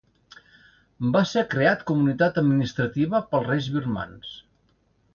Va ser creat com unitat administrativa pels reis birmans.